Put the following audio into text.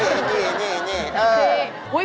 เออนี่นี่